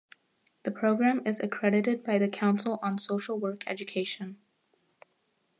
The program is accredited by the Council on Social Work Education.